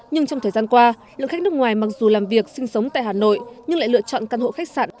nhưng trong thời gian qua lượng khách nước ngoài mặc dù làm việc sinh sống tại hà nội nhưng lại lựa chọn căn hộ khách sạn